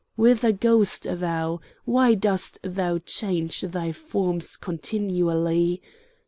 "Whither goest thou? Why dost thou change thy forms continually?